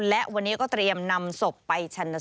และวันนี้ก็เตรียมนำศพไปชนสูตรด้วย